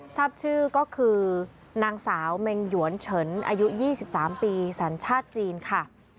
ทราบชื่อก็คือนางสาวเมงหยวนเฉินอายุ๒๓ปีสัญชาติจีนค่ะ